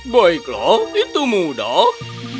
baiklah itu mudah